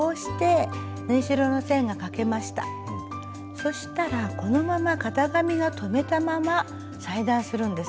そしたらこのまま型紙を留めたまま裁断するんです。